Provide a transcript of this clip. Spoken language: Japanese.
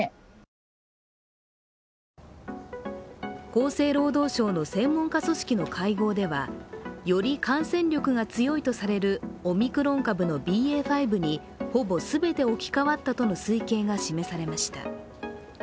厚生労働省の専門家組織の会合ではより感染力が強いとされるオミクロン株のＢＡ．５にほぼ全て置き換わったとの推計が示されました。